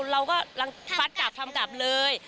เราก็เธอทำกับเลย